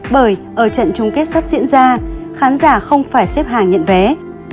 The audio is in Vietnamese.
bởi ở trận chung kết sắp diễn ra khán giả không phải xếp hàng nhận vé